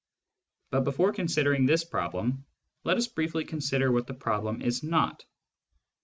But before considering this problem, let us briefly consider what the problem is not.